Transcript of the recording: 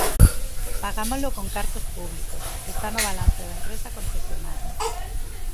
Pagámolo con cartos públicos, está no balance da empresa concesionaria.